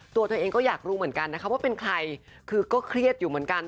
ตัวเธอเองก็อยากรู้เหมือนกันนะคะว่าเป็นใครคือก็เครียดอยู่เหมือนกัน